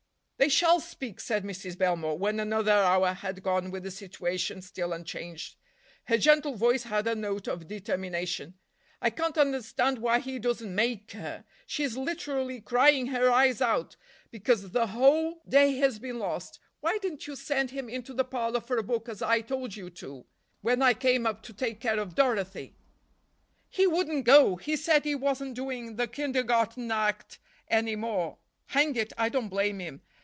"They shall speak," said Mrs. Belmore when another hour had gone with the situation still unchanged. Her gentle voice had a note of determination. "I can't understand why he doesn't make her. She is literally crying her eyes out, because the whole day has been lost. Why didn't you send him into the parlor for a book as I told you to, when I came up to take care of Dorothy?" "He wouldn't go—he said he wasn't doing the kindergarten act any more. Hang it, I don't blame him.